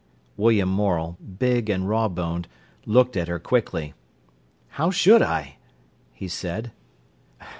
William Morel, big and raw boned, looked at her quickly. "How should I?" he said.